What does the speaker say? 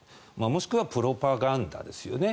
もしくはプロパガンダですよね。